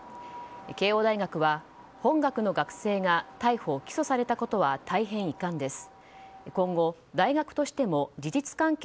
慶應大学は本学の学生が逮捕・起訴されたことは大変遺憾です。